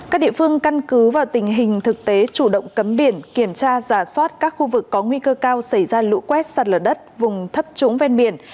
các địa phương căn cứ vào tình hình thực tế chủ động cấm biển kiểm tra giả soát các khu vực có nguy cơ cao xảy ra lũ quét sạt lở đất vùng thấp trũng ven biển